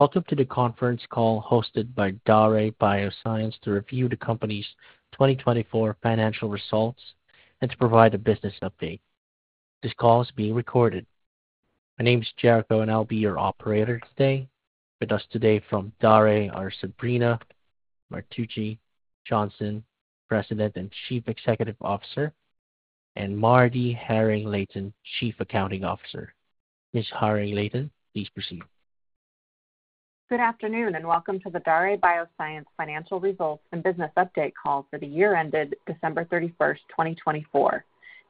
Welcome to the conference call hosted by Daré Bioscience to review the company's 2024 financial results and to provide a business update. This call is being recorded. My name is Jericho, and I'll be your operator today. With us today from Daré are Sabrina Martucci Johnson, President and Chief Executive Officer, and MarDee Haring-Layton, Chief Accounting Officer. Ms. Haring-Layton, please proceed. Good afternoon, and welcome to the Daré Bioscience financial results and business update call for the year ended December 31, 2024.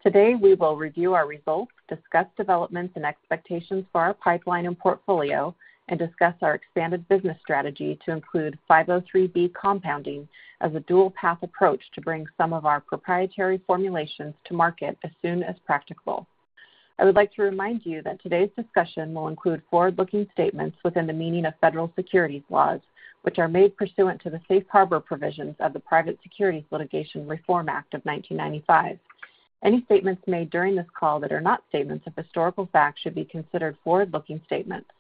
Today, we will review our results, discuss developments and expectations for our pipeline and portfolio, and discuss our expanded business strategy to include 503B compounding as a dual-path approach to bring some of our proprietary formulations to market as soon as practicable. I would like to remind you that today's discussion will include forward-looking statements within the meaning of federal securities laws, which are made pursuant to the safe harbor provisions of the Private Securities Litigation Reform Act of 1995. Any statements made during this call that are not statements of historical fact should be considered forward-looking statements.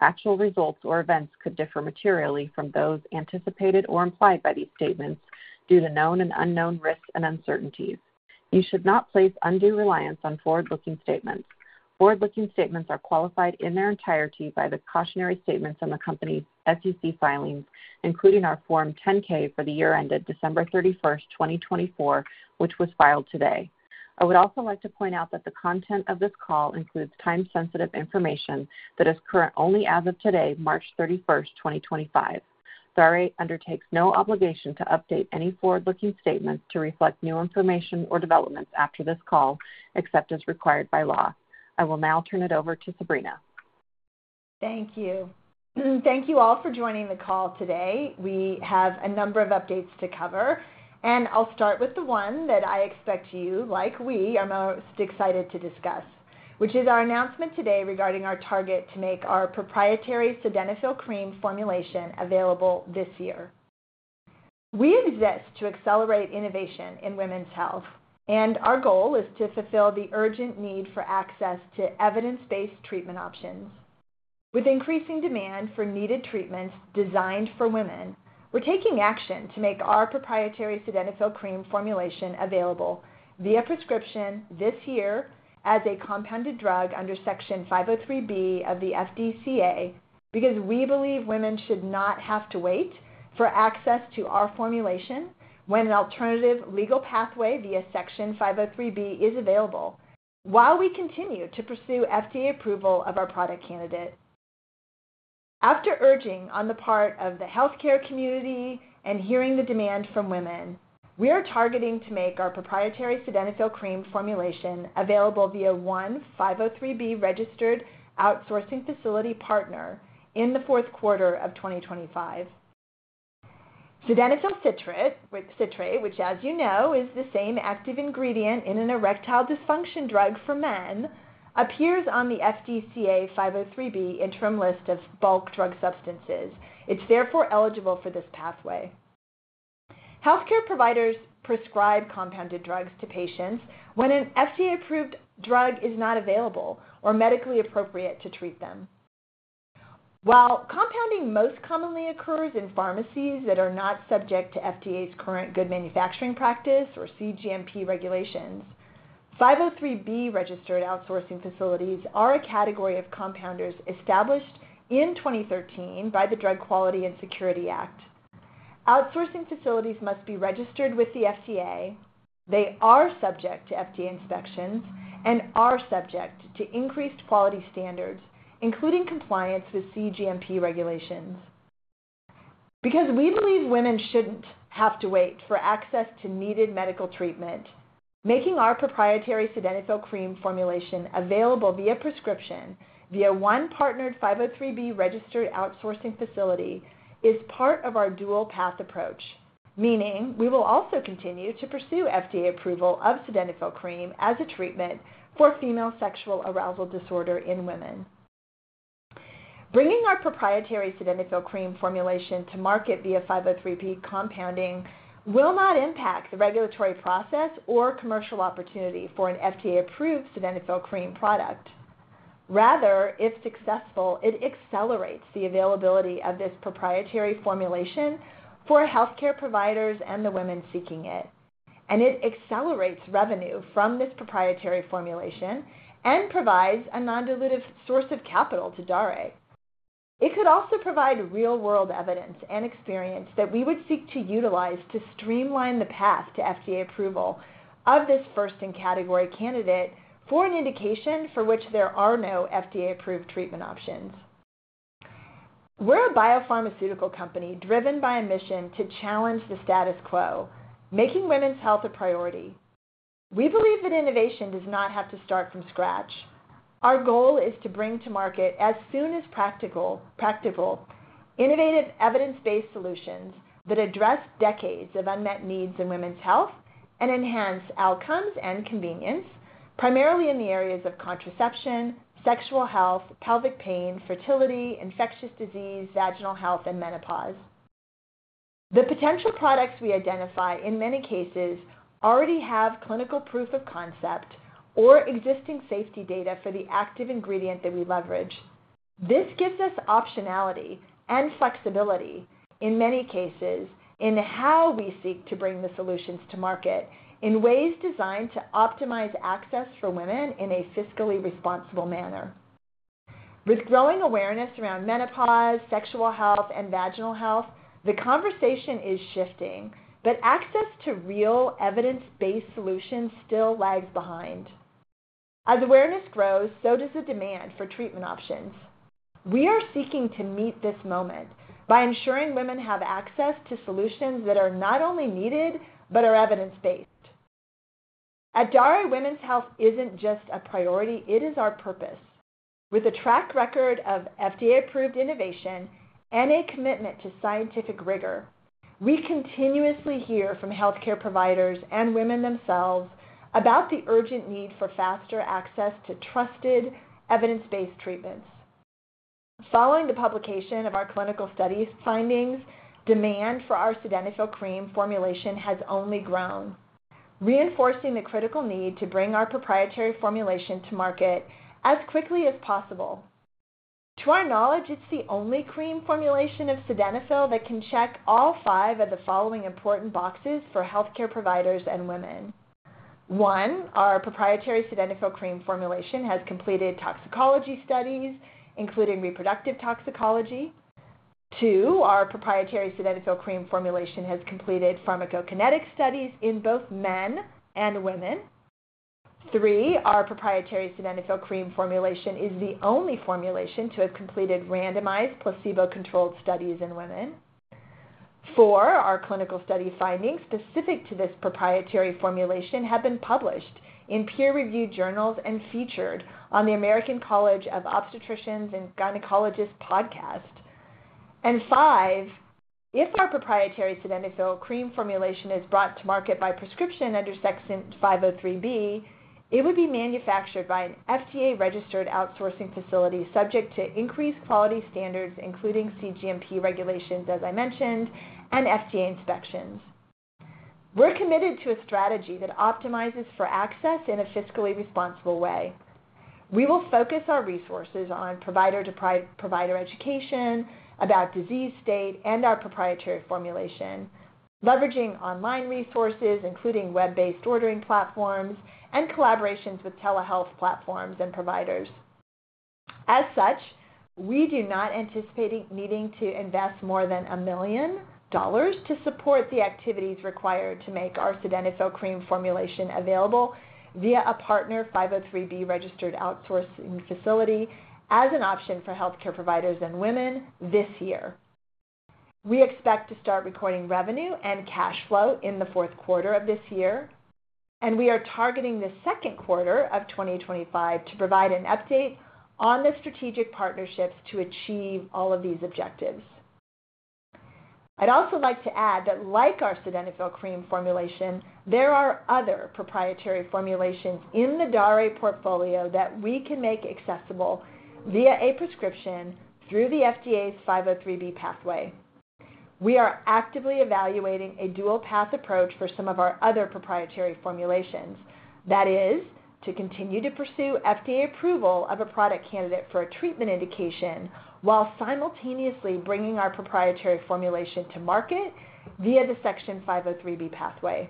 Actual results or events could differ materially from those anticipated or implied by these statements due to known and unknown risks and uncertainties. You should not place undue reliance on forward-looking statements. Forward-looking statements are qualified in their entirety by the cautionary statements in the company's SEC filings, including our Form 10-K for the year ended December 31, 2024, which was filed today. I would also like to point out that the content of this call includes time-sensitive information that is current only as of today, March 31, 2025. Daré undertakes no obligation to update any forward-looking statements to reflect new information or developments after this call, except as required by law. I will now turn it over to Sabrina. Thank you. Thank you all for joining the call today. We have a number of updates to cover, and I'll start with the one that I expect you, like we, are most excited to discuss, which is our announcement today regarding our target to make our proprietary sildenafil cream formulation available this year. We exist to accelerate innovation in women's health, and our goal is to fulfill the urgent need for access to evidence-based treatment options. With increasing demand for needed treatments designed for women, we're taking action to make our proprietary sildenafil cream formulation available via prescription this year as a compounded drug under Section 503B of the FDCA because we believe women should not have to wait for access to our formulation when an alternative legal pathway via Section 503B is available, while we continue to pursue FDA approval of our product candidate. After urging on the part of the healthcare community and hearing the demand from women, we are targeting to make our proprietary sildenafil cream formulation available via one 503B registered outsourcing facility partner in the fourth quarter of 2025. Sildenafil citrate, which, as you know, is the same active ingredient in an erectile dysfunction drug for men, appears on the FDCA 503B interim list of bulk drug substances. It's therefore eligible for this pathway. Healthcare providers prescribe compounded drugs to patients when an FDA-approved drug is not available or medically appropriate to treat them. While compounding most commonly occurs in pharmacies that are not subject to FDA's current good manufacturing practice or CGMP regulations, 503B registered outsourcing facilities are a category of compounders established in 2013 by the Drug Quality and Security Act. Outsourcing facilities must be registered with the FDA. They are subject to FDA inspections and are subject to increased quality standards, including compliance with CGMP regulations. Because we believe women shouldn't have to wait for access to needed medical treatment, making our proprietary sildenafil cream formulation available via prescription via one partnered 503B registered outsourcing facility is part of our dual-path approach, meaning we will also continue to pursue FDA approval of sildenafil cream as a treatment for female sexual arousal disorder in women. Bringing our proprietary sildenafil cream formulation to market via 503B compounding will not impact the regulatory process or commercial opportunity for an FDA-approved sildenafil cream product. Rather, if successful, it accelerates the availability of this proprietary formulation for healthcare providers and the women seeking it, and it accelerates revenue from this proprietary formulation and provides a non-dilutive source of capital to Daré. It could also provide real-world evidence and experience that we would seek to utilize to streamline the path to FDA approval of this first-in-category candidate for an indication for which there are no FDA-approved treatment options. We're a biopharmaceutical company driven by a mission to challenge the status quo, making women's health a priority. We believe that innovation does not have to start from scratch. Our goal is to bring to market, as soon as practicable, innovative evidence-based solutions that address decades of unmet needs in women's health and enhance outcomes and convenience, primarily in the areas of contraception, sexual health, pelvic pain, fertility, infectious disease, vaginal health, and menopause. The potential products we identify, in many cases, already have clinical proof of concept or existing safety data for the active ingredient that we leverage. This gives us optionality and flexibility, in many cases, in how we seek to bring the solutions to market in ways designed to optimize access for women in a fiscally responsible manner. With growing awareness around menopause, sexual health, and vaginal health, the conversation is shifting, but access to real, evidence-based solutions still lags behind. As awareness grows, so does the demand for treatment options. We are seeking to meet this moment by ensuring women have access to solutions that are not only needed but are evidence-based. At Daré, women's health isn't just a priority; it is our purpose. With a track record of FDA-approved innovation and a commitment to scientific rigor, we continuously hear from healthcare providers and women themselves about the urgent need for faster access to trusted, evidence-based treatments. Following the publication of our clinical study findings, demand for our sildenafil cream formulation has only grown, reinforcing the critical need to bring our proprietary formulation to market as quickly as possible. To our knowledge, it's the only cream formulation of Sildenafil that can check all five of the following important boxes for healthcare providers and women. One, our proprietary sildenafil cream formulation has completed toxicology studies, including reproductive toxicology. Two, our proprietary sildenafil cream formulation has completed pharmacokinetic studies in both men and women. Three, our proprietary sildenafil cream formulation is the only formulation to have completed randomized placebo-controlled studies in women. Four, our clinical study findings specific to this proprietary formulation have been published in peer-reviewed journals and featured on the American College of Obstetricians and Gynecologists podcast. If our proprietary sildenafil cream formulation is brought to market by prescription under Section 503B, it would be manufactured by an FDA-registered outsourcing facility subject to increased quality standards, including CGMP regulations, as I mentioned, and FDA inspections. We're committed to a strategy that optimizes for access in a fiscally responsible way. We will focus our resources on provider-to-provider education about disease state and our proprietary formulation, leveraging online resources, including web-based ordering platforms and collaborations with telehealth platforms and providers. As such, we do not anticipate needing to invest more than $1 million to support the activities required to make our sildenafil cream formulation available via a partner 503B registered outsourcing facility as an option for healthcare providers and women this year. We expect to start recording revenue and cash flow in the fourth quarter of this year, and we are targeting the second quarter of 2025 to provide an update on the strategic partnerships to achieve all of these objectives. I'd also like to add that, like our sildenafil cream formulation, there are other proprietary formulations in the Daré portfolio that we can make accessible via a prescription through the FDA's 503B pathway. We are actively evaluating a dual-path approach for some of our other proprietary formulations. That is, to continue to pursue FDA approval of a product candidate for a treatment indication while simultaneously bringing our proprietary formulation to market via the Section 503B pathway.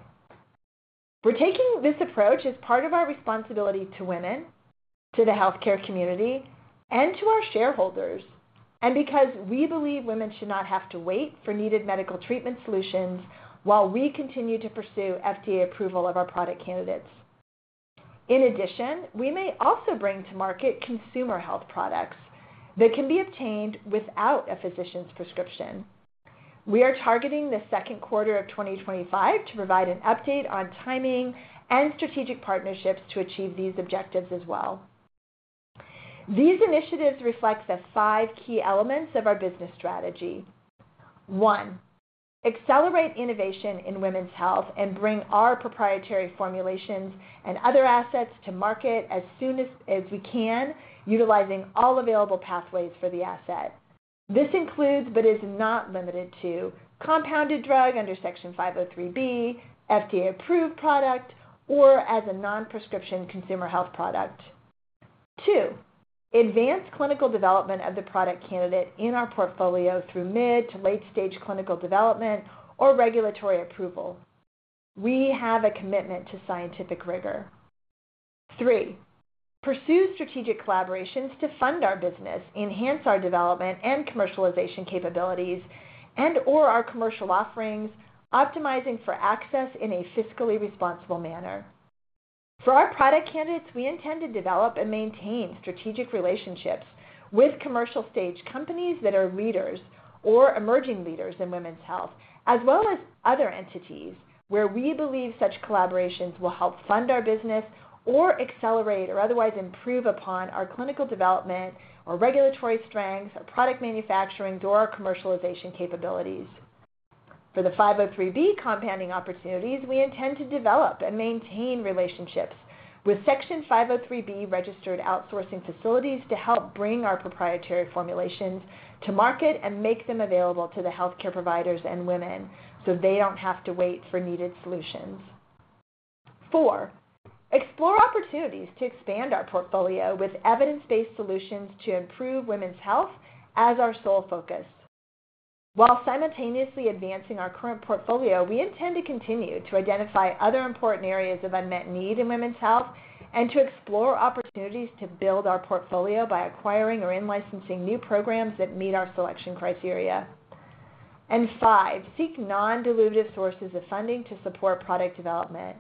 We're taking this approach as part of our responsibility to women, to the healthcare community, and to our shareholders, and because we believe women should not have to wait for needed medical treatment solutions while we continue to pursue FDA approval of our product candidates. In addition, we may also bring to market consumer health products that can be obtained without a physician's prescription. We are targeting the second quarter of 2025 to provide an update on timing and strategic partnerships to achieve these objectives as well. These initiatives reflect the five key elements of our business strategy. One, accelerate innovation in women's health and bring our proprietary formulations and other assets to market as soon as we can, utilizing all available pathways for the asset. This includes, but is not limited to, compounded drug under Section 503B, FDA-approved product, or as a non-prescription consumer health product. Two, advance clinical development of the product candidate in our portfolio through mid to late-stage clinical development or regulatory approval. We have a commitment to scientific rigor. Three, pursue strategic collaborations to fund our business, enhance our development and commercialization capabilities, and/or our commercial offerings, optimizing for access in a fiscally responsible manner. For our product candidates, we intend to develop and maintain strategic relationships with commercial-stage companies that are leaders or emerging leaders in women's health, as well as other entities where we believe such collaborations will help fund our business or accelerate or otherwise improve upon our clinical development or regulatory strength or product manufacturing or commercialization capabilities. For the 503B compounding opportunities, we intend to develop and maintain relationships with Section 503B registered outsourcing facilities to help bring our proprietary formulations to market and make them available to the healthcare providers and women so they do not have to wait for needed solutions. Four, explore opportunities to expand our portfolio with evidence-based solutions to improve women's health as our sole focus. While simultaneously advancing our current portfolio, we intend to continue to identify other important areas of unmet need in women's health and to explore opportunities to build our portfolio by acquiring or in-licensing new programs that meet our selection criteria. Five, seek non-dilutive sources of funding to support product development.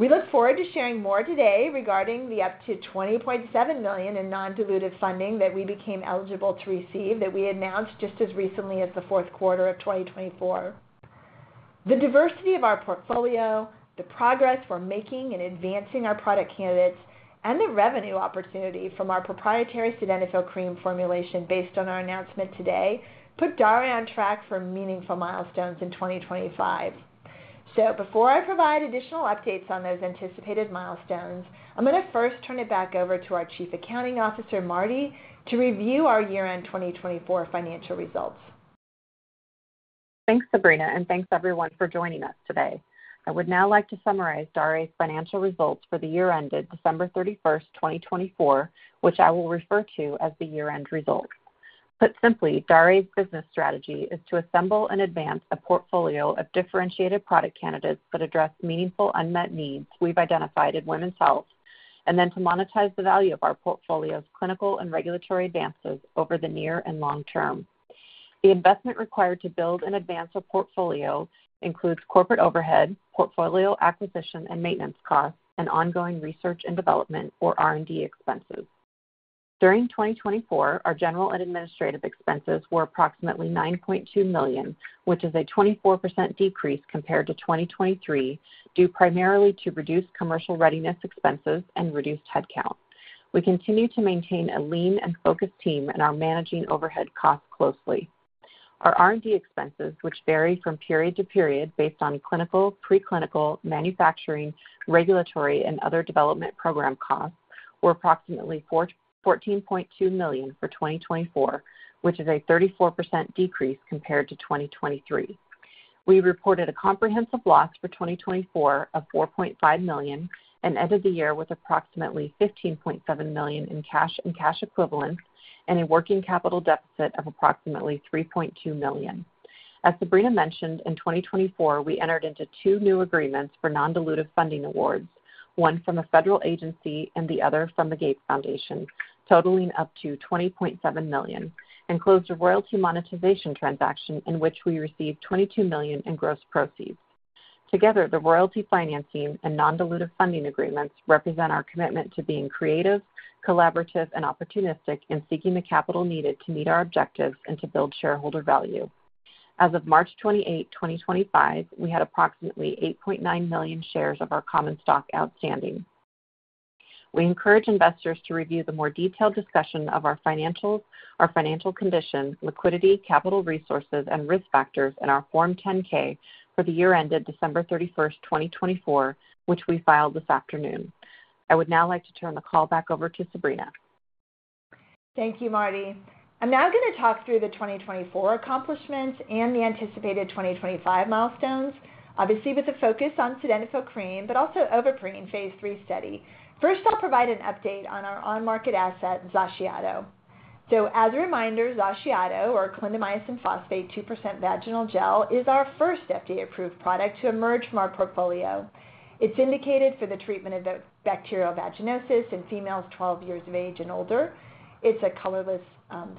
We look forward to sharing more today regarding the up to $20.7 million in non-dilutive funding that we became eligible to receive that we announced just as recently as the fourth quarter of 2024. The diversity of our portfolio, the progress we're making in advancing our product candidates, and the revenue opportunity from our proprietary sildenafil cream formulation based on our announcement today put Daré on track for meaningful milestones in 2025. Before I provide additional updates on those anticipated milestones, I'm going to first turn it back over to our Chief Accounting Officer, MarDee, to review our year-end 2024 financial results. Thanks, Sabrina, and thanks everyone for joining us today. I would now like to summarize Daré's financial results for the year ended December 31, 2024, which I will refer to as the year-end results. Put simply, Daré's business strategy is to assemble and advance a portfolio of differentiated product candidates that address meaningful unmet needs we've identified in women's health, and then to monetize the value of our portfolio's clinical and regulatory advances over the near and long term. The investment required to build and advance a portfolio includes corporate overhead, portfolio acquisition and maintenance costs, and ongoing research and development or R&D expenses. During 2024, our general and administrative expenses were approximately $9.2 million, which is a 24% decrease compared to 2023, due primarily to reduced commercial readiness expenses and reduced headcount. We continue to maintain a lean and focused team and are managing overhead costs closely. Our R&D expenses, which vary from period to period based on clinical, preclinical, manufacturing, regulatory, and other development program costs, were approximately $14.2 million for 2024, which is a 34% decrease compared to 2023. We reported a comprehensive loss for 2024 of $4.5 million and ended the year with approximately $15.7 million in cash and cash equivalents and a working capital deficit of approximately $3.2 million. As Sabrina mentioned, in 2024, we entered into two new agreements for non-dilutive funding awards, one from a federal agency and the other from the Gates Foundation, totaling up to $20.7 million, and closed a royalty monetization transaction in which we received $22 million in gross proceeds. Together, the royalty financing and non-dilutive funding agreements represent our commitment to being creative, collaborative, and opportunistic in seeking the capital needed to meet our objectives and to build shareholder value. As of March 28, 2025, we had approximately 8.9 million shares of our common stock outstanding. We encourage investors to review the more detailed discussion of our financials, our financial condition, liquidity, capital resources, and risk factors in our Form 10-K for the year ended December 31, 2024, which we filed this afternoon. I would now like to turn the call back over to Sabrina. Thank you, MarDee. I'm now going to talk through the 2024 accomplishments and the anticipated 2025 milestones, obviously with a focus on sildenafil cream, but also Ovaprene Phase III study. First, I'll provide an update on our on-market asset, Zaciato. As a reminder, Zaciato, or clindamycin phosphate 2% Vaginal Gel, is our first FDA-approved product to emerge from our portfolio. It's indicated for the treatment of bacterial vaginosis in females 12 years of age and older. It's a colorless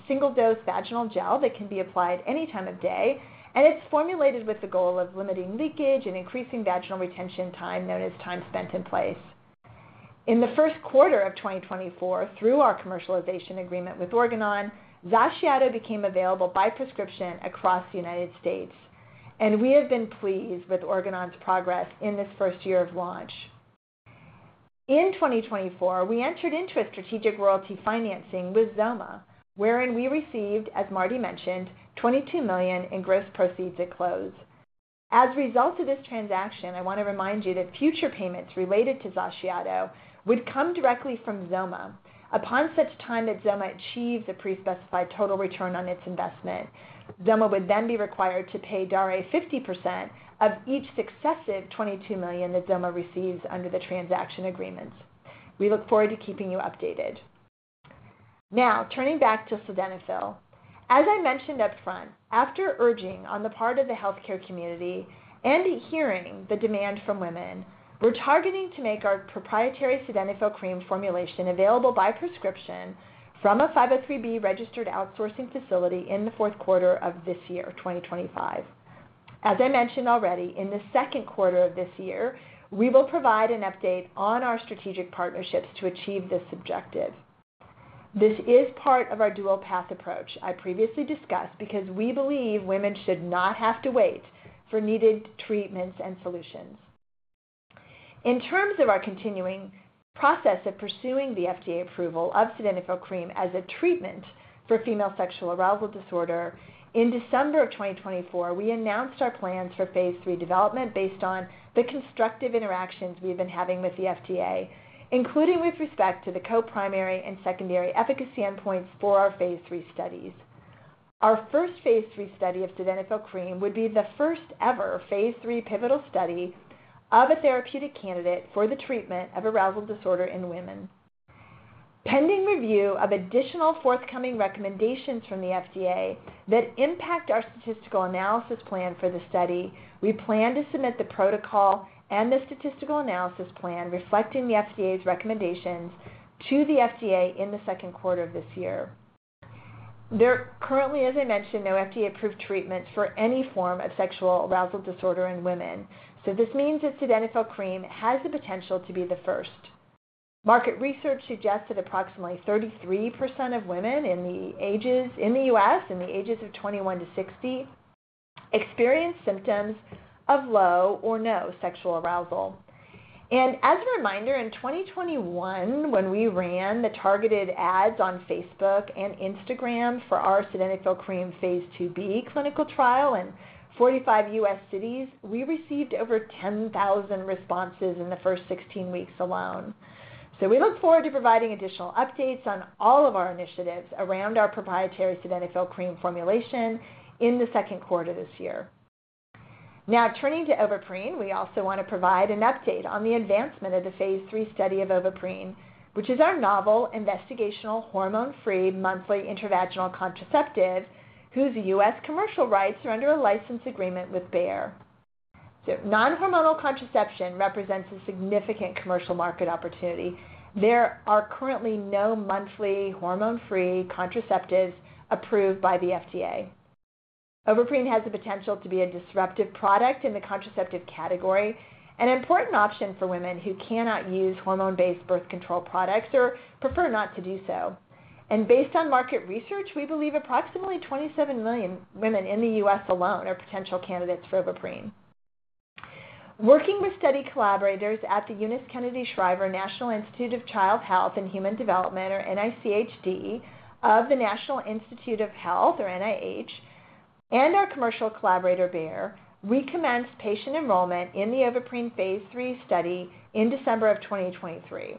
single-dose vaginal gel that can be applied any time of day, and it's formulated with the goal of limiting leakage and increasing vaginal retention time, known as time spent in place. In the first quarter of 2024, through our commercialization agreement with Organon, Zaciato became available by prescription across the United States, and we have been pleased with Organon's progress in this first year of launch. In 2024, we entered into a strategic royalty financing with XOMA, wherein we received, as MarDee mentioned, $22 million in gross proceeds at close. As a result of this transaction, I want to remind you that future payments related to Zaciato would come directly from XOMA. Upon such time that XOMA achieves a pre-specified total return on its investment, XOMA would then be required to pay Daré 50% of each successive $22 million that XOMA receives under the transaction agreements. We look forward to keeping you updated. Now, turning back to Sildenafil. As I mentioned upfront, after urging on the part of the healthcare community and hearing the demand from women, we're targeting to make our proprietary sildenafil cream formulation available by prescription from a 503B registered outsourcing facility in the fourth quarter of this year, 2025. As I mentioned already, in the second quarter of this year, we will provide an update on our strategic partnerships to achieve this objective. This is part of our dual-path approach I previously discussed because we believe women should not have to wait for needed treatments and solutions. In terms of our continuing process of pursuing the FDA approval of sildenafil cream as a treatment for female sexual arousal disorder, in December of 2024, we announced our plans for Phase III development based on the constructive interactions we've been having with the FDA, including with respect to the co-primary and secondary efficacy endpoints for our Phase III studies. Our first Phase III study of sildenafil cream would be the first-ever Phase III pivotal study of a therapeutic candidate for the treatment of arousal disorder in women. Pending review of additional forthcoming recommendations from the FDA that impact our statistical analysis plan for the study, we plan to submit the protocol and the statistical analysis plan reflecting the FDA's recommendations to the FDA in the second quarter of this year. There currently, as I mentioned, are no FDA-approved treatments for any form of sexual arousal disorder in women, so this means that sildenafil cream has the potential to be the first. Market research suggests that approximately 33% of women in the US, in the ages of 21 to 60, experience symptoms of low or no sexual arousal. As a reminder, in 2021, when we ran the targeted ads on Facebook and Instagram for our sildenafil cream Phase IIB clinical trial in 45 U.S. cities, we received over 10,000 responses in the first 16 weeks alone. We look forward to providing additional updates on all of our initiatives around our proprietary sildenafil cream formulation in the second quarter of this year. Now, turning to Ovaprene, we also want to provide an update on the advancement of the Phase III study of Ovaprene, which is our novel investigational hormone-free monthly intravaginal contraceptive whose U.S. commercial rights are under a license agreement with Bayer. Non-hormonal contraception represents a significant commercial market opportunity. There are currently no monthly hormone-free contraceptives approved by the FDA. Ovaprene has the potential to be a disruptive product in the contraceptive category and an important option for women who cannot use hormone-based birth control products or prefer not to do so. Based on market research, we believe approximately 27 million women in the U.S. alone are potential candidates for Ovaprene. Working with study collaborators at the Eunice Kennedy Shriver National Institute of Child Health and Human Development, or NICHD, of the National Institutes of Health, or NIH, and our commercial collaborator, Bayer, we commenced patient enrollment in the Ovaprene Phase III study in December of 2023.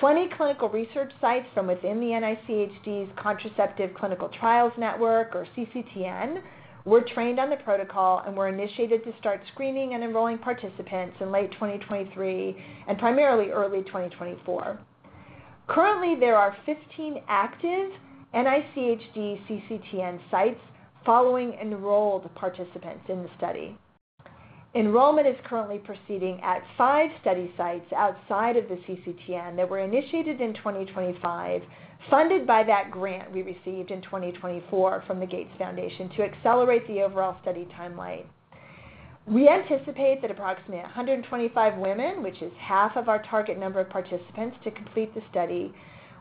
Twenty clinical research sites from within the NICHD's Contraceptive Clinical Trials Network, or CCTN, were trained on the protocol and were initiated to start screening and enrolling participants in late 2023 and primarily early 2024. Currently, there are 15 active NICHD CCTN sites following enrolled participants in the study. Enrollment is currently proceeding at five study sites outside of the CCTN that were initiated in 2024, funded by that grant we received in 2024 from the Gates Foundation to accelerate the overall study timeline. We anticipate that approximately 125 women, which is half of our target number of participants to complete the study,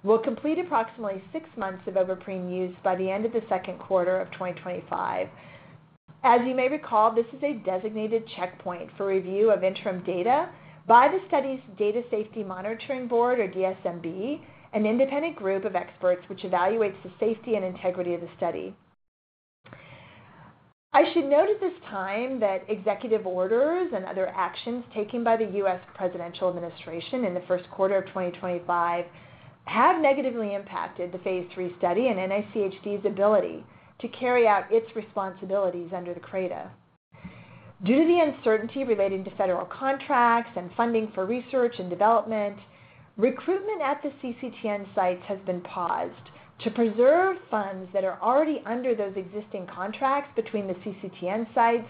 will complete approximately six months of Ovaprene use by the end of the second quarter of 2025. As you may recall, this is a designated checkpoint for review of interim data by the study's Data Safety Monitoring Board, or DSMB, an independent group of experts which evaluates the safety and integrity of the study. I should note at this time that executive orders and other actions taken by the U.S. presidential administration in the first quarter of 2025 have negatively impacted the Phase III study and NICHD's ability to carry out its responsibilities under the CRADA. Due to the uncertainty relating to federal contracts and funding for research and development, recruitment at the CCTN sites has been paused to preserve funds that are already under those existing contracts between the CCTN sites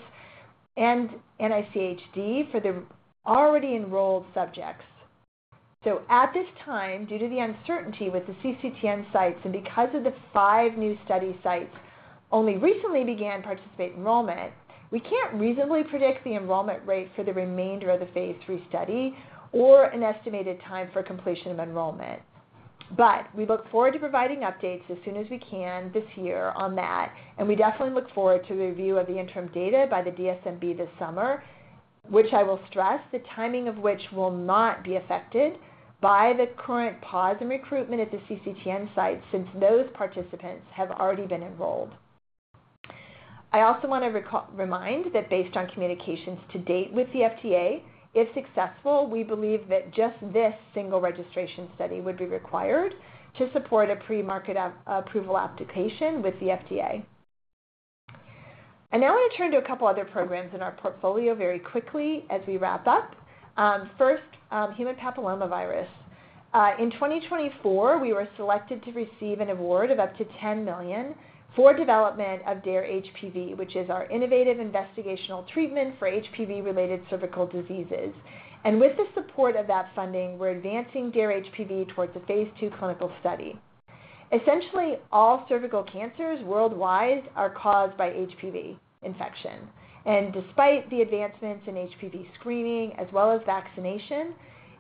and NICHD for the already enrolled subjects. At this time, due to the uncertainty with the CCTN sites and because the five new study sites only recently began participant enrollment, we can't reasonably predict the enrollment rate for the remainder of the Phase III study or an estimated time for completion of enrollment. We look forward to providing updates as soon as we can this year on that, and we definitely look forward to the review of the interim data by the DSMB this summer, which I will stress the timing of which will not be affected by the current pause in recruitment at the CCTN sites since those participants have already been enrolled. I also want to remind that based on communications to date with the FDA, if successful, we believe that just this single registration study would be required to support a pre-market approval application with the FDA. Now I want to turn to a couple of other programs in our portfolio very quickly as we wrap up. First, human papillomavirus. In 2024, we were selected to receive an award of up to $10 million for development of DARE HPV, which is our innovative investigational treatment for HPV-related cervical diseases. With the support of that funding, we're advancing DARE HPV towards a Phase II clinical study. Essentially, all cervical cancers worldwide are caused by HPV infection. Despite the advancements in HPV screening as well as vaccination,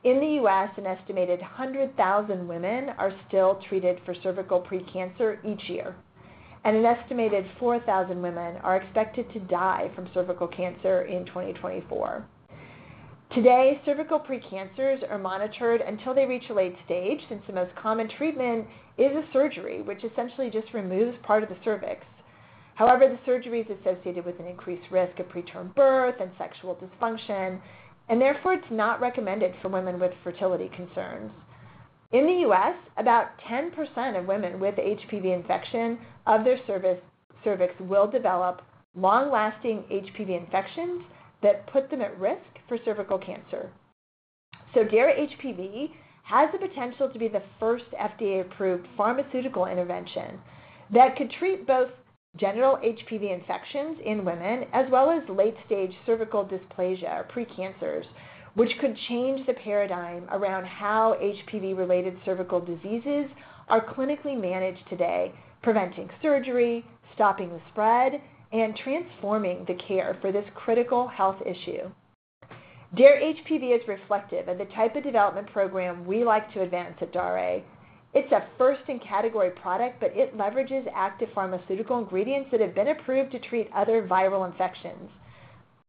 in the U.S., an estimated 100,000 women are still treated for cervical precancer each year. An estimated 4,000 women are expected to die from cervical cancer in 2024. Today, cervical precancers are monitored until they reach a late stage since the most common treatment is a surgery, which essentially just removes part of the cervix. However, the surgery is associated with an increased risk of preterm birth and sexual dysfunction, and therefore it's not recommended for women with fertility concerns. In the U.S., about 10% of women with HPV infection of their cervix will develop long-lasting HPV infections that put them at risk for cervical cancer. DARE HPV has the potential to be the first FDA-approved pharmaceutical intervention that could treat both genital HPV infections in women as well as late-stage cervical dysplasia or precancers, which could change the paradigm around how HPV-related cervical diseases are clinically managed today, preventing surgery, stopping the spread, and transforming the care for this critical health issue. DARE HPV is reflective of the type of development program we like to advance at Daré. It's a first-in-category product, but it leverages active pharmaceutical ingredients that have been approved to treat other viral infections.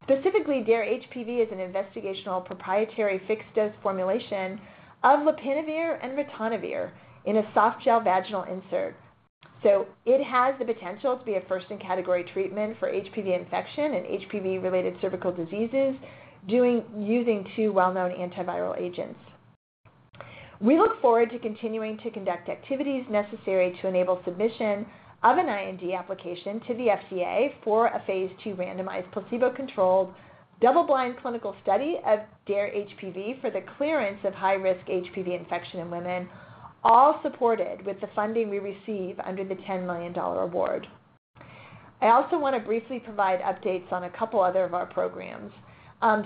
Specifically, DARE HPV is an investigational proprietary fixed-dose formulation of lopinavir and ritonavir in a soft gel vaginal insert. It has the potential to be a first-in-category treatment for HPV infection and HPV-related cervical diseases using two well-known antiviral agents. We look forward to continuing to conduct activities necessary to enable submission of an IND application to the FDA for a Phase II randomized placebo-controlled double-blind clinical study of DARE HPV for the clearance of high-risk HPV infection in women, all supported with the funding we receive under the $10 million award. I also want to briefly provide updates on a couple of other of our programs.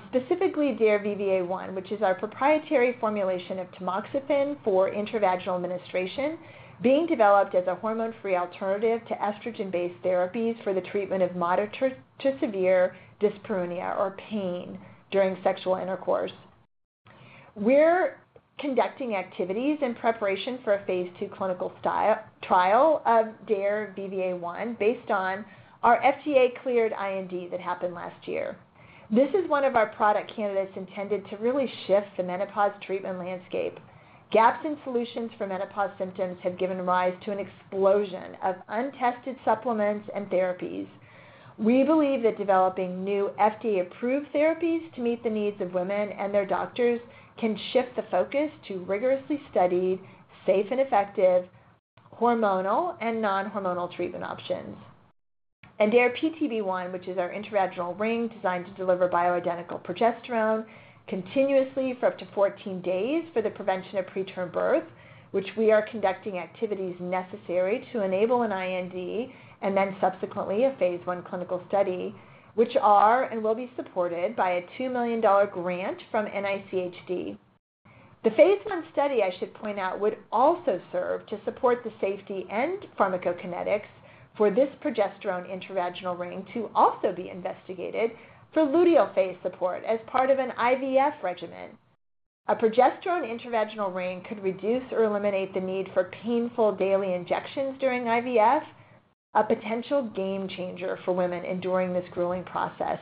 Specifically, DARE VVA1, which is our proprietary formulation of tamoxifen for intravaginal administration, being developed as a hormone-free alternative to estrogen-based therapies for the treatment of moderate to severe dyspareunia or pain during sexual intercourse. We're conducting activities in preparation for a Phase II clinical trial of DARE VVA1 based on our FDA-cleared IND that happened last year. This is one of our product candidates intended to really shift the menopause treatment landscape. Gaps in solutions for menopause symptoms have given rise to an explosion of untested supplements and therapies. We believe that developing new FDA-approved therapies to meet the needs of women and their doctors can shift the focus to rigorously studied, safe and effective hormonal and non-hormonal treatment options. DARE PTB1, which is our intravaginal ring designed to deliver bioidentical progesterone continuously for up to 14 days for the prevention of preterm birth, which we are conducting activities necessary to enable an IND and then subsequently a Phase I clinical study, which are and will be supported by a $2 million grant from NICHD. The Phase I study, I should point out, would also serve to support the safety and pharmacokinetics for this progesterone intravaginal ring to also be investigated for luteal phase support as part of an IVF regimen. A progesterone intravaginal ring could reduce or eliminate the need for painful daily injections during IVF, a potential game changer for women enduring this grueling process.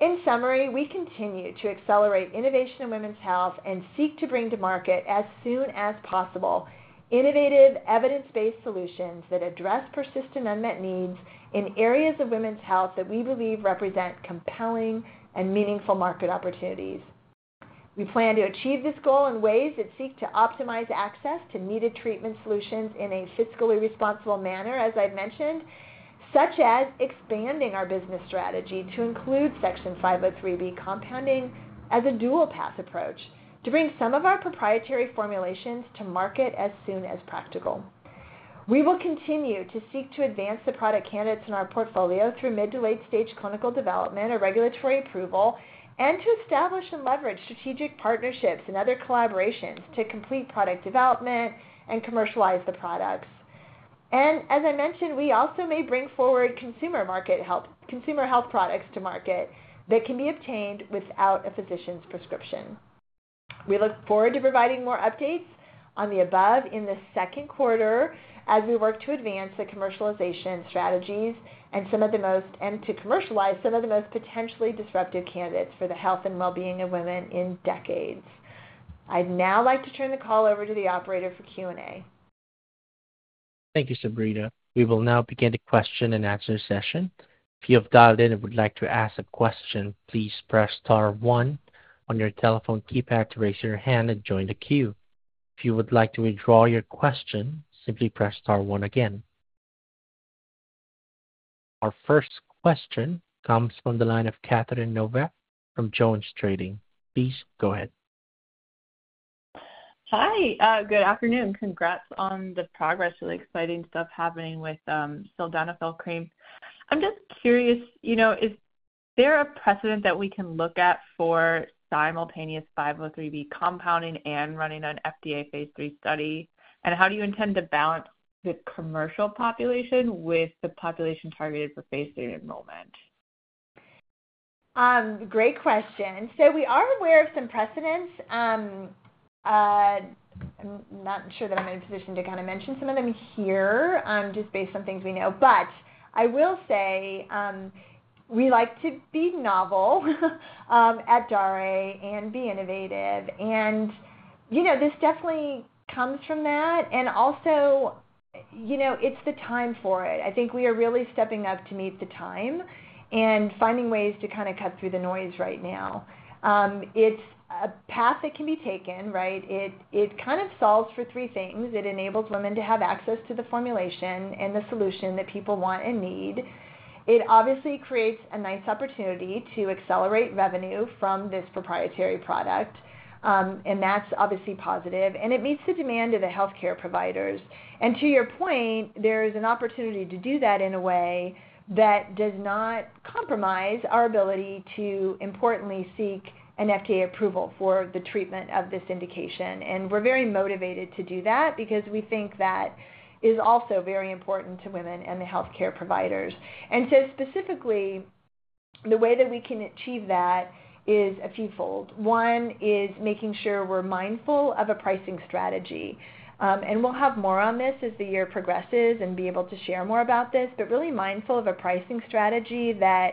In summary, we continue to accelerate innovation in women's health and seek to bring to market as soon as possible innovative evidence-based solutions that address persistent unmet needs in areas of women's health that we believe represent compelling and meaningful market opportunities. We plan to achieve this goal in ways that seek to optimize access to needed treatment solutions in a fiscally responsible manner, as I've mentioned, such as expanding our business strategy to include Section 503B compounding as a dual-path approach to bring some of our proprietary formulations to market as soon as practical. We will continue to seek to advance the product candidates in our portfolio through mid to late-stage clinical development or regulatory approval and to establish and leverage strategic partnerships and other collaborations to complete product development and commercialize the products. As I mentioned, we also may bring forward consumer health products to market that can be obtained without a physician's prescription. We look forward to providing more updates on the above in the second quarter as we work to advance the commercialization strategies and to commercialize some of the most potentially disruptive candidates for the health and well-being of women in decades. I'd now like to turn the call over to the operator for Q&A. Thank you, Sabrina. We will now begin the question and answer session. If you have dialed in and would like to ask a question, please press star one on your telephone keypad to raise your hand and join the queue. If you would like to withdraw your question, simply press star one again. Our first question comes from the line of Catherine Novack from JonesTrading. Please go ahead. Hi. Good afternoon. Congrats on the progress and the exciting stuff happening with sildenafil cream. I'm just curious, is there a precedent that we can look at for simultaneous 503B compounding and running an FDA Phase III study? And how do you intend to balance the commercial population with the population targeted for Phase III enrollment? Great question. We are aware of some precedents. I'm not sure that I'm in a position to kind of mention some of them here just based on things we know. I will say we like to be novel at Daré and be innovative. This definitely comes from that. Also, it's the time for it. I think we are really stepping up to meet the time and finding ways to kind of cut through the noise right now. It's a path that can be taken, right? It kind of solves for three things. It enables women to have access to the formulation and the solution that people want and need. It obviously creates a nice opportunity to accelerate revenue from this proprietary product. That is obviously positive. It meets the demand of the healthcare providers. To your point, there is an opportunity to do that in a way that does not compromise our ability to importantly seek an FDA approval for the treatment of this indication. We are very motivated to do that because we think that is also very important to women and the healthcare providers. Specifically, the way that we can achieve that is a few-fold. One is making sure we are mindful of a pricing strategy. We will have more on this as the year progresses and be able to share more about this, but really mindful of a pricing strategy that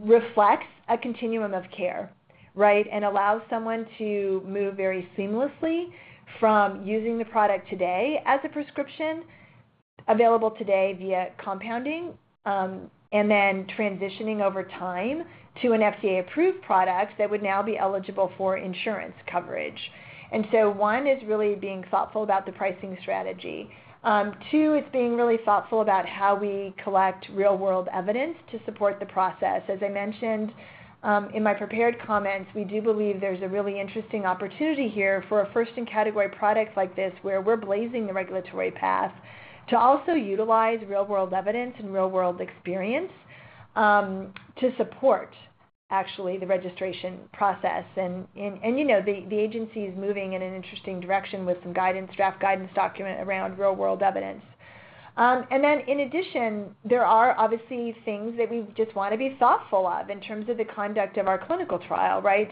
reflects a continuum of care, right, and allows someone to move very seamlessly from using the product today as a prescription available today via compounding and then transitioning over time to an FDA-approved product that would now be eligible for insurance coverage. One is really being thoughtful about the pricing strategy. Two, it's being really thoughtful about how we collect real-world evidence to support the process. As I mentioned in my prepared comments, we do believe there's a really interesting opportunity here for a first-in-category product like this where we're blazing the regulatory path to also utilize real-world evidence and real-world experience to support, actually, the registration process. The agency is moving in an interesting direction with some draft guidance document around real-world evidence. In addition, there are obviously things that we just want to be thoughtful of in terms of the conduct of our clinical trial, right?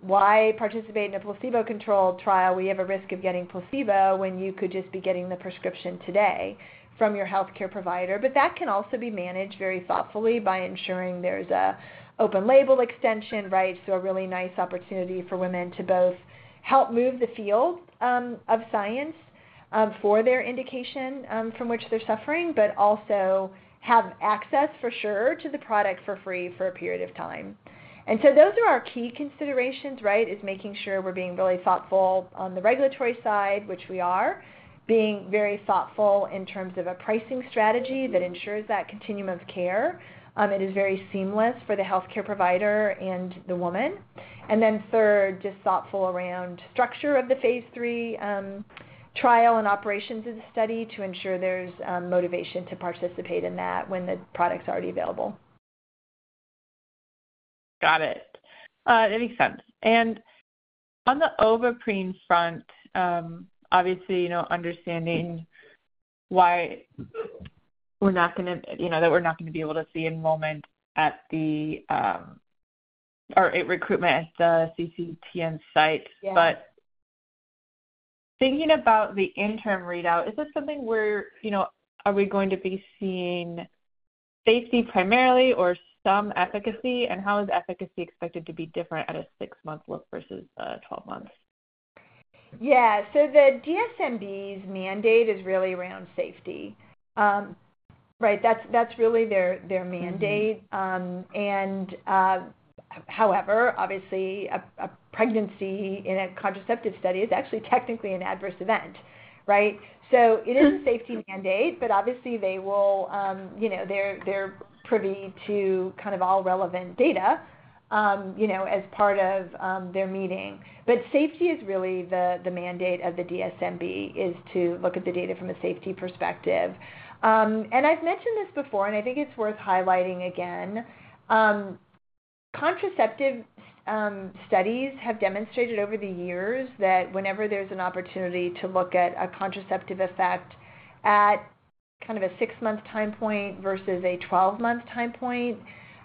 Why participate in a placebo-controlled trial? We have a risk of getting placebo when you could just be getting the prescription today from your healthcare provider. That can also be managed very thoughtfully by ensuring there is an open-label extension, right? A really nice opportunity for women to both help move the field of science for their indication from which they are suffering, but also have access for sure to the product for free for a period of time. Those are our key considerations, right? Is making sure we're being really thoughtful on the regulatory side, which we are, being very thoughtful in terms of a pricing strategy that ensures that continuum of care is very seamless for the healthcare provider and the woman. Then third, just thoughtful around the structure of the Phase III trial and operations of the study to ensure there's motivation to participate in that when the product's already available. Got it. That makes sense. On the Ovaprene front, obviously, understanding why we're not going to be able to see enrollment or recruitment at the CCTN site. Thinking about the interim readout, is it something where are we going to be seeing safety primarily or some efficacy? How is efficacy expected to be different at a six-month look versus a 12 month? Yeah. The DSMB's mandate is really around safety, right? That's really their mandate. However, obviously, a pregnancy in a contraceptive study is actually technically an adverse event, right? It is a safety mandate, but obviously, they are privy to kind of all relevant data as part of their meeting. Safety is really the mandate of the DSMB, to look at the data from a safety perspective. I've mentioned this before, and I think it's worth highlighting again. Contraceptive studies have demonstrated over the years that whenever there's an opportunity to look at a contraceptive effect at kind of a six-month time point versus a 12-month time point,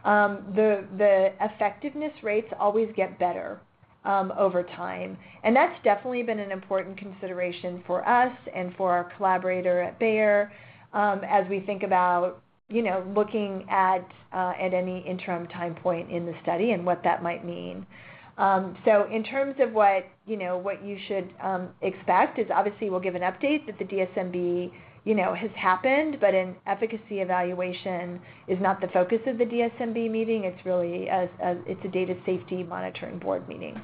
the effectiveness rates always get better over time. That's definitely been an important consideration for us and for our collaborator at Bayer as we think about looking at any interim time point in the study and what that might mean. In terms of what you should expect is obviously, we'll give an update that the DSMB has happened, but an efficacy evaluation is not the focus of the DSMB meeting. It's a data safety monitoring board meeting.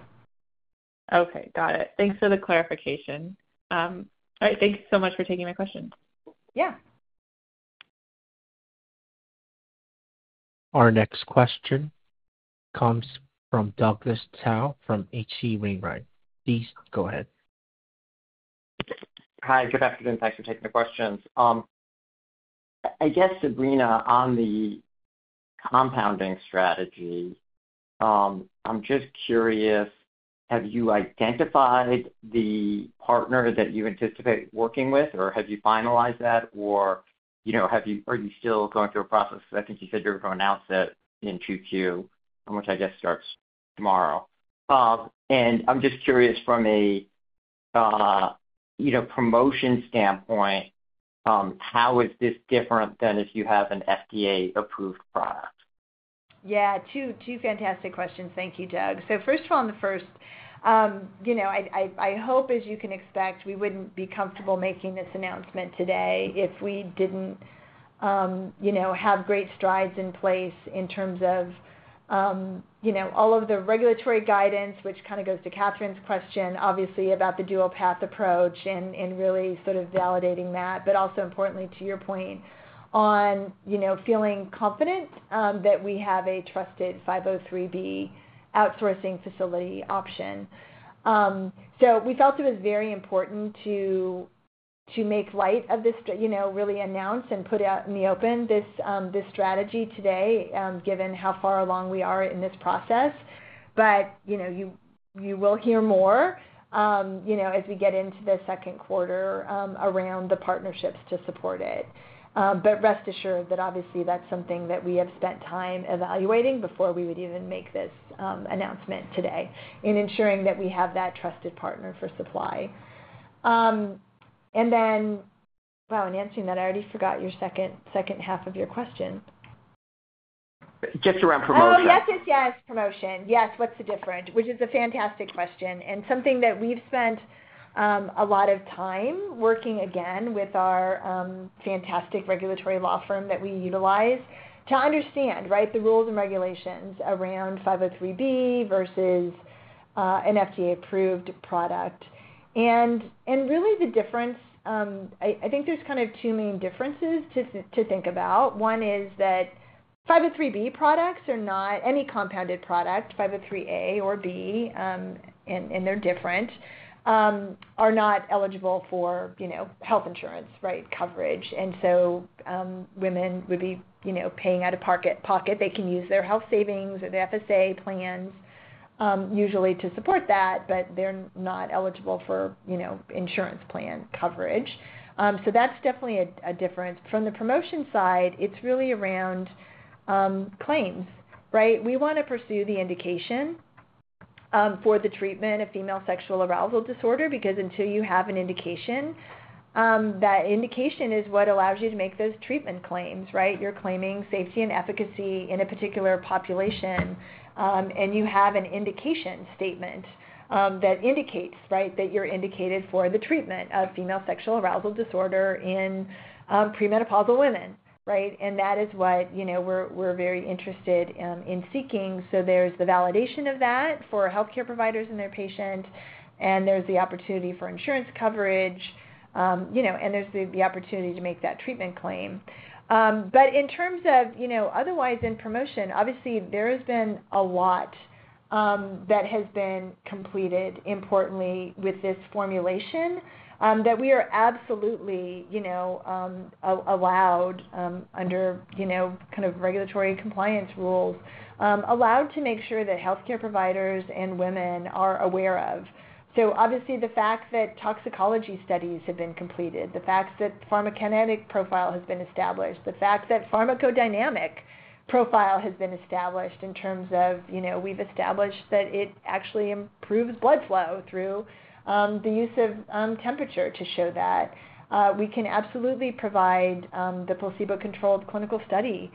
Okay. Got it. Thanks for the clarification. All right. Thank you so much for taking my questions. Yeah. Our next question comes from Douglas Tsao from H.C. Wainwright. Please go ahead. Hi. Good afternoon. Thanks for taking the questions. I guess, Sabrina, on the compounding strategy, I'm just curious, have you identified the partner that you anticipate working with, or have you finalized that, or are you still going through a process? I think you said you were going to announce it in Q2, which I guess starts tomorrow. I'm just curious from a promotion standpoint, how is this different than if you have an FDA-approved product? Yeah. Two fantastic questions. Thank you, Doug. First of all, on the first, I hope as you can expect, we wouldn't be comfortable making this announcement today if we didn't have great strides in place in terms of all of the regulatory guidance, which kind of goes to Katherine's question, obviously, about the dual-path approach and really sort of validating that, but also importantly, to your point, on feeling confident that we have a trusted 503B outsourcing facility option. We felt it was very important to make light of this, really announce and put out in the open this strategy today given how far along we are in this process. You will hear more as we get into the second quarter around the partnerships to support it. Rest assured that obviously, that's something that we have spent time evaluating before we would even make this announcement today in ensuring that we have that trusted partner for supply. Wow, in answering that, I already forgot your second half of your question. Just around promotion. Oh, yes, yes, yes, promotion. Yes, what's the difference? Which is a fantastic question. Something that we've spent a lot of time working again with our fantastic regulatory law firm that we utilize to understand, right, the rules and regulations around 503B versus an FDA-approved product. Really, the difference, I think there's kind of two main differences to think about. One is that 503B products are not any compounded product, 503A or B, and they're different, are not eligible for health insurance, right, coverage. Women would be paying out of pocket. They can use their health savings or the FSA plans usually to support that, but they're not eligible for insurance plan coverage. That's definitely a difference. From the promotion side, it's really around claims, right? We want to pursue the indication for the treatment of female sexual arousal disorder because until you have an indication, that indication is what allows you to make those treatment claims, right? You're claiming safety and efficacy in a particular population, and you have an indication statement that indicates, right, that you're indicated for the treatment of female sexual arousal disorder in premenopausal women, right? That is what we're very interested in seeking. There is the validation of that for healthcare providers and their patients, and there is the opportunity for insurance coverage, and there is the opportunity to make that treatment claim. In terms of otherwise in promotion, obviously, there has been a lot that has been completed importantly with this formulation that we are absolutely allowed under kind of regulatory compliance rules, allowed to make sure that healthcare providers and women are aware of. Obviously, the fact that toxicology studies have been completed, the fact that pharmacokinetic profile has been established, the fact that pharmacodynamic profile has been established in terms of we have established that it actually improves blood flow through the use of temperature to show that. We can absolutely provide the placebo-controlled clinical study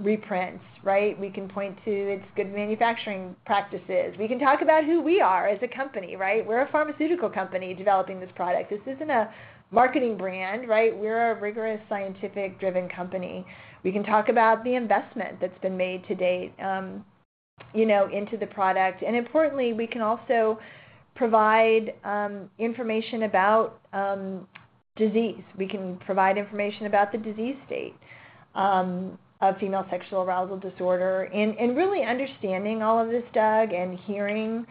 reprints, right? We can point to its good manufacturing practices. We can talk about who we are as a company, right? We're a pharmaceutical company developing this product. This isn't a marketing brand, right? We're a rigorous scientific-driven company. We can talk about the investment that's been made to date into the product. Importantly, we can also provide information about disease. We can provide information about the disease state of female sexual arousal disorder. Really understanding all of this, Doug, and hearing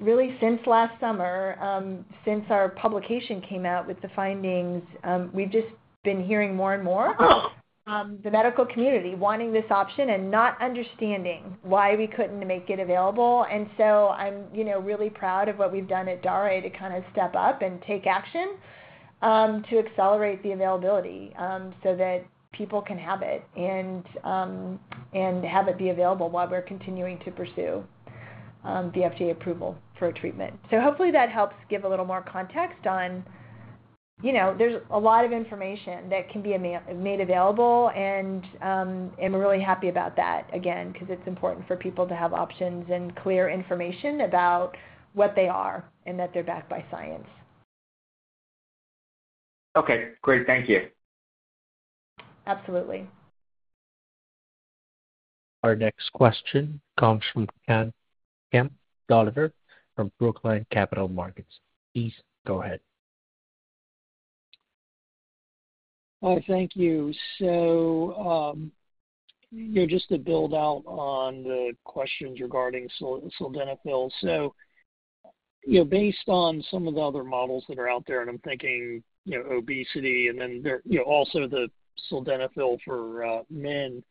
really since last summer, since our publication came out with the findings, we've just been hearing more and more from the medical community wanting this option and not understanding why we couldn't make it available. I'm really proud of what we've done at Daré to kind of step up and take action to accelerate the availability so that people can have it and have it be available while we're continuing to pursue the FDA approval for a treatment. Hopefully, that helps give a little more context on there's a lot of information that can be made available, and I'm really happy about that again because it's important for people to have options and clear information about what they are and that they're backed by science. Okay. Great. Thank you. Absolutely. Our next question comes from Kemp Dolliver from Brookline Capital Markets. Please go ahead. All right. Thank you. Just to build out on the questions regarding sildenafil. Based on some of the other models that are out there, and I'm thinking obesity and then also the sildenafil for men,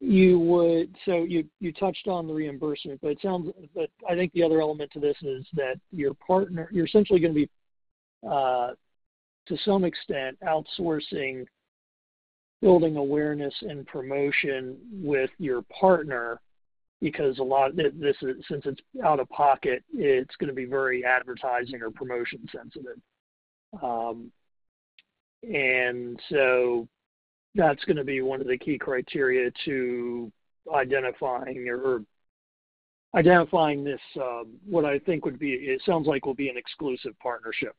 you touched on the reimbursement, but I think the other element to this is that you're essentially going to be, to some extent, outsourcing building awareness and promotion with your partner because since it's out of pocket, it's going to be very advertising or promotion sensitive. That is going to be one of the key criteria to identifying this, what I think would be it sounds like will be an exclusive partnership.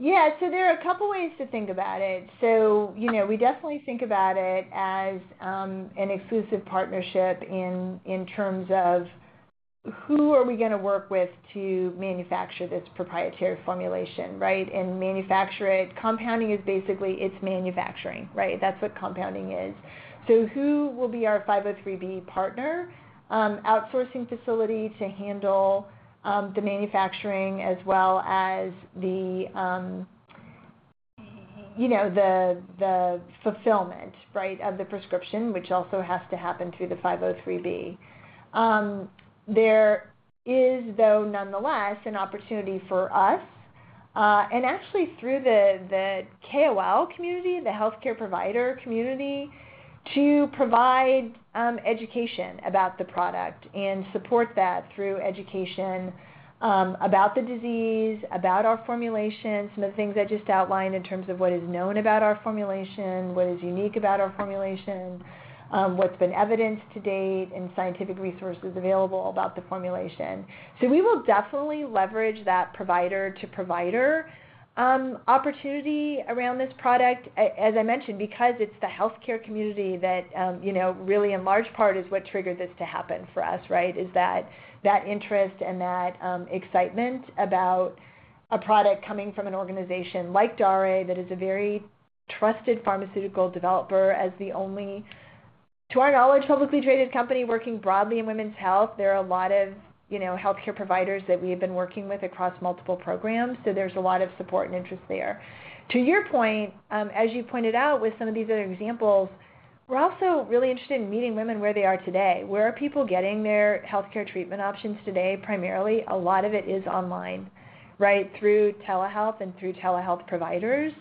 Yeah. There are a couple of ways to think about it. We definitely think about it as an exclusive partnership in terms of who are we going to work with to manufacture this proprietary formulation, right, and manufacture it. Compounding is basically its manufacturing, right? That's what compounding is. Who will be our 503B partner outsourcing facility to handle the manufacturing as well as the fulfillment, right, of the prescription, which also has to happen through the 503B? There is, though, nonetheless, an opportunity for us and actually through the KOL community, the healthcare provider community, to provide education about the product and support that through education about the disease, about our formulation, some of the things I just outlined in terms of what is known about our formulation, what is unique about our formulation, what's been evidenced to date and scientific resources available about the formulation. We will definitely leverage that provider-to-provider opportunity around this product. As I mentioned, because it's the healthcare community that really, in large part, is what triggered this to happen for us, right, is that interest and that excitement about a product coming from an organization like Daré that is a very trusted pharmaceutical developer as the only, to our knowledge, publicly traded company working broadly in women's health. There are a lot of healthcare providers that we have been working with across multiple programs. There is a lot of support and interest there. To your point, as you pointed out with some of these other examples, we're also really interested in meeting women where they are today. Where are people getting their healthcare treatment options today? Primarily, a lot of it is online, right, through telehealth and through telehealth providers.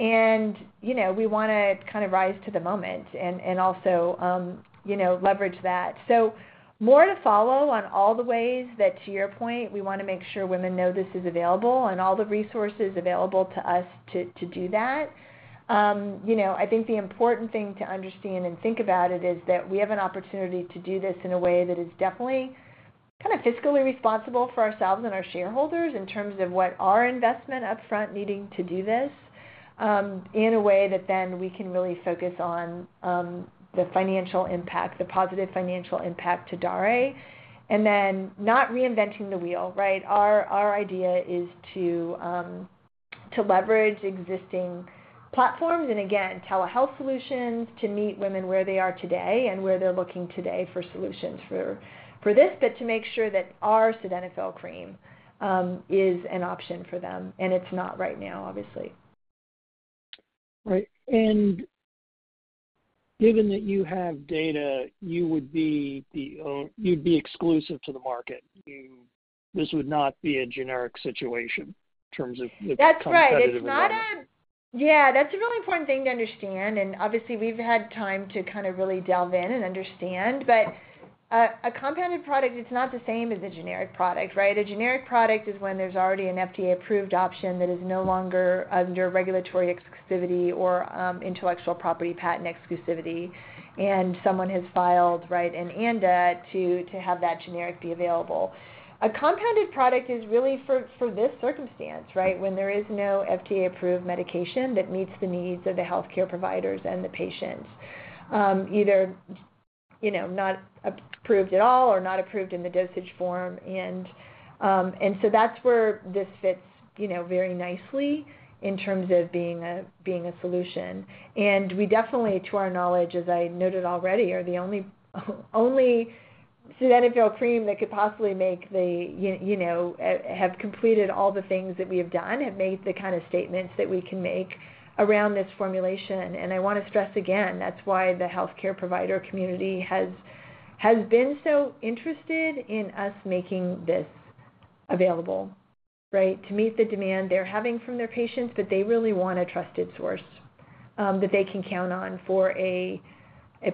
We want to kind of rise to the moment and also leverage that. More to follow on all the ways that, to your point, we want to make sure women know this is available and all the resources available to us to do that. I think the important thing to understand and think about is that we have an opportunity to do this in a way that is definitely kind of fiscally responsible for ourselves and our shareholders in terms of what our investment upfront needing to do this in a way that then we can really focus on the financial impact, the positive financial impact to Daré, and then not reinventing the wheel, right? Our idea is to leverage existing platforms and, again, telehealth solutions to meet women where they are today and where they're looking today for solutions for this, but to make sure that our sildenafil cream is an option for them. And it's not right now, obviously. Right. Given that you have data, you would be exclusive to the market. This would not be a generic situation in terms of the competitive environment. That's right. Yeah. That's a really important thing to understand. Obviously, we've had time to kind of really delve in and understand. A compounded product, it's not the same as a generic product, right? A generic product is when there's already an FDA-approved option that is no longer under regulatory exclusivity or intellectual property patent exclusivity, and someone has filed, right, an ANDA to have that generic be available. A compounded product is really for this circumstance, right, when there is no FDA-approved medication that meets the needs of the healthcare providers and the patients, either not approved at all or not approved in the dosage form. That's where this fits very nicely in terms of being a solution. We definitely, to our knowledge, as I noted already, are the only sildenafil cream that could possibly have completed all the things that we have done, have made the kind of statements that we can make around this formulation. I want to stress again, that's why the healthcare provider community has been so interested in us making this available, right, to meet the demand they're having from their patients, but they really want a trusted source that they can count on for a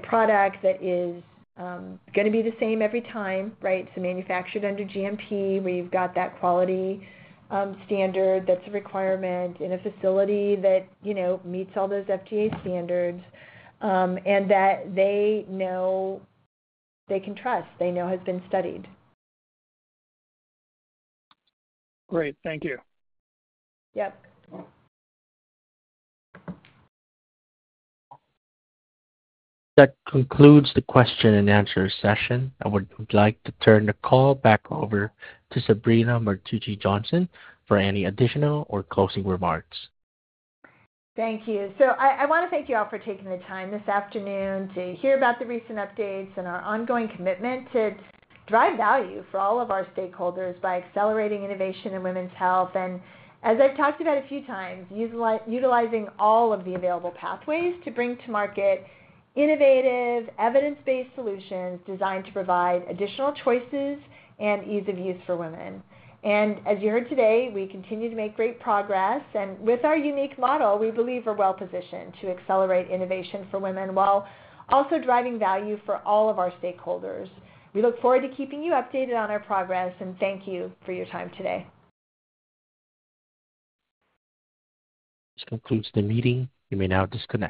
product that is going to be the same every time, right? Manufactured under GMP, we've got that quality standard that's a requirement in a facility that meets all those FDA standards and that they know they can trust, they know has been studied. Great. Thank you. Yep. That concludes the question and answer session. I would like to turn the call back over to Sabrina Martucci Johnson for any additional or closing remarks. Thank you. I want to thank you all for taking the time this afternoon to hear about the recent updates and our ongoing commitment to drive value for all of our stakeholders by accelerating innovation in women's health. As I've talked about a few times, utilizing all of the available pathways to bring to market innovative, evidence-based solutions designed to provide additional choices and ease of use for women. As you heard today, we continue to make great progress. With our unique model, we believe we're well-positioned to accelerate innovation for women while also driving value for all of our stakeholders. We look forward to keeping you updated on our progress, and thank you for your time today. This concludes the meeting. You may now disconnect.